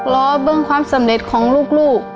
รอเบื้องความสำเร็จของลูก